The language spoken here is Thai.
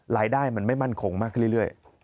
รายได้มันไม่มั่นคงมากขึ้นเรื่อย